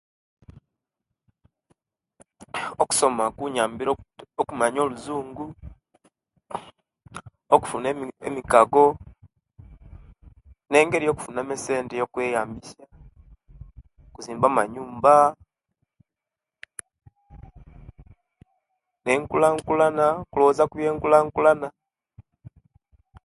Okusoma kunyambire okk okumanya oluzungu, okufuna emi emikago, nengeri yokufunamu essente okweyambisia , okuzimba amanyumba, nenkulankulana kulowoza kubyenkulankulana.